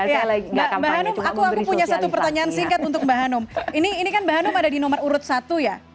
ya mbak hanum aku punya satu pertanyaan singkat untuk mbak hanum ini kan mbak hanum ada di nomor urut satu ya